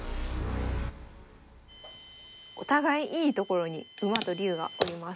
お互いいいところに馬と竜がおります。